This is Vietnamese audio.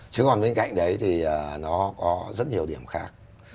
chứ còn bên cạnh đấy thì nó có rất nhiều điểm khác